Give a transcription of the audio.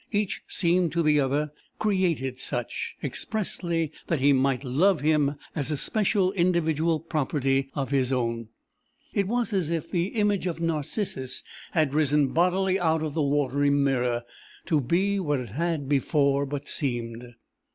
Each seemed to the other created such, expressly that he might love him as a special, individual property of his own. It was as if the image of Narcissus had risen bodily out of the watery mirror, to be what it had before but seemed.